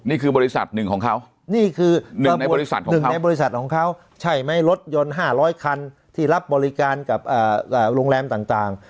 นี่คือบริษัทหนึ่งของเขาใช่ไหมรถยนต์๕๐๐คันที่รับบริการกับโรงแรมต่าง